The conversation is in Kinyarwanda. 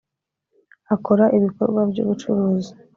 akora ibikorwa by’ ubucuruzi.